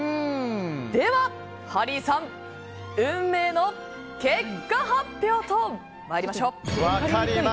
では、ハリーさん運命の結果発表と参りましょう。